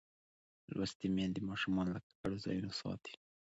لوستې میندې ماشوم له ککړو ځایونو ساتي.